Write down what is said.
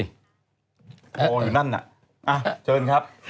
โหอยู่นั่นน่ะ